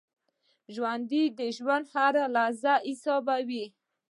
ژوندي د ژوند هره لحظه حسابوي